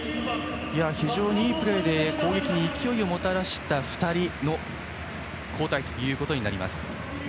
非常にいいプレーで攻撃に勢いをもたらした２人の交代となります。